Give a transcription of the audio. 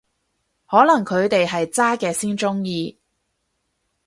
可能佢哋係渣嘅先鍾意